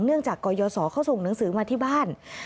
เนื่องจากกรยาศอเขาส่งหนังสือมาที่บ้าน